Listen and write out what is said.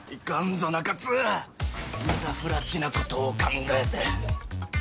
またふらちなことを考えて。